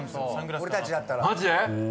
俺たちだったら。